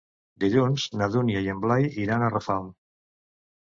Dilluns na Dúnia i en Blai iran a Rafal.